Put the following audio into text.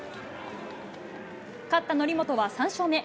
勝った則本は３勝目。